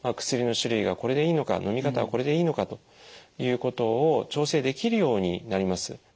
薬の種類はこれでいいのかのみ方はこれでいいのかということを調整できるようになります。